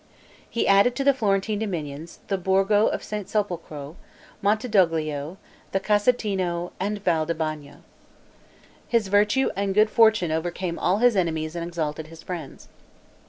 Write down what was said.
He added to the Florentine dominions, the Borgo of St. Sepolcro, Montedoglio, the Casentino and Val di Bagno. His virtue and good fortune overcame all his enemies and exalted his friends.